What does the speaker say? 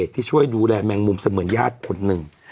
ที่ช่วยดูแลแมงมุมเสมือนญาติคนหนึ่ง